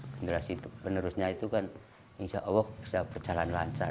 generasi penerusnya itu kan insya allah bisa berjalan lancar